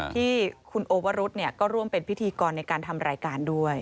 ที่คุณโอวรุธก็ร่วมเป็นพิธีกรในการทำรายการด้วย